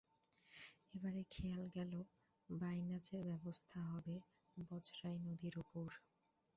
এবারে খেয়াল গেল বাইনাচের ব্যবস্থা হবে বজরায় নদীর উপর।